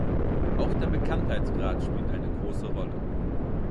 Auch der Bekanntheitsgrad spielt eine große Rolle.